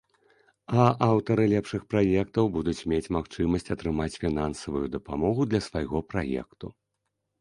А аўтары лепшых праектаў будуць мець магчымасць атрымаць фінансавую дапамогу для свайго праекту!